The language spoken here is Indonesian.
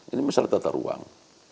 ini misalnya tata ruang